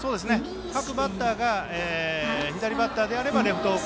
各バッターが左バッターであればレフト方向。